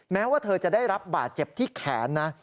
แม้ว่าเธอจะได้รับบาดเจ็บที่แขนนะ